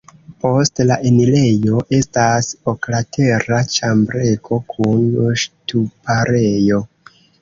Post la enirejo estas oklatera ĉambrego kun ŝtuparejo.